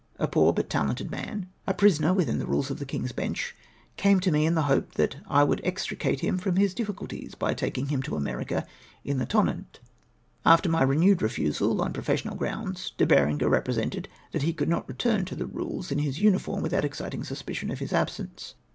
A poor but talented man — a prisoner within the Eules of the Kind's Bench — came to me in the hope that I would extricate him from his difficulties by taking liim to America in the Tonnant After my renewed refusal, on professional grounds, De Berenger represented that he could not return t(3 the Eules in his uniform without exciting suspicion of his absence.